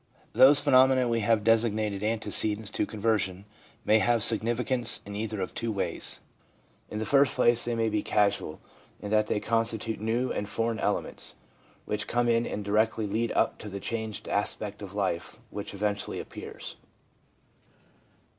Those phenomena which we have designated antecedents to conversion may have significance in either of two ways — in the first CONSCIOUS AND SUB CONSCIOUS ELEMENTS 109 place, they may be causal, in that they constitute new and foreign elements, which come in and directly lead up to the changed aspect of life which eventually appears.